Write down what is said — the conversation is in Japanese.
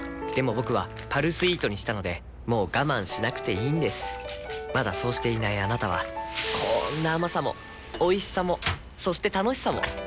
僕は「パルスイート」にしたのでもう我慢しなくていいんですまだそうしていないあなたはこんな甘さもおいしさもそして楽しさもあちっ。